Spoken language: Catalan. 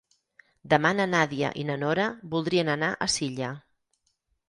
Demà na Nàdia i na Nora voldrien anar a Silla.